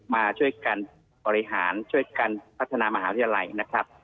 มาช่วยกันบริหารช่วยกันพัฒนามหาวิทยาลัยนะครับ